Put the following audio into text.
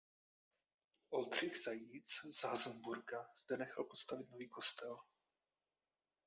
Oldřich Zajíc z Hazmburka zde nechal postavit nový kostel.